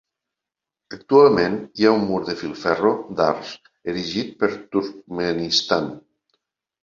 Actualment hi ha un mur de filferro d'arç erigit per Turkmenistan.